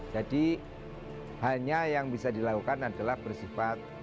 jadi hanya yang bisa dilakukan adalah bersifat